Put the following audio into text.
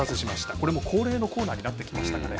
これも恒例のコーナーになってきましたかね。